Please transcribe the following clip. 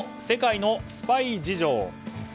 世界のスパイ事情。